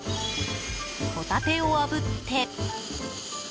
ホタテをあぶって。